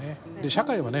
社会はね